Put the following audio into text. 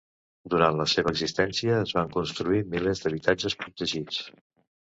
Durant la seva existència es van construir milers d'habitatges protegits.